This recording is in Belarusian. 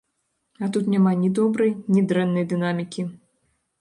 А тут няма ні добрай, ні дрэннай дынамікі.